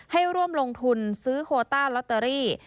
ให้ร่วมลงทุนซื้อโคต้าลอตเตอรี่